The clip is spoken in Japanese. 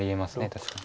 確かに。